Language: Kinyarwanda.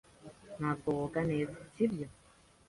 Ntabwo woga neza, sibyo?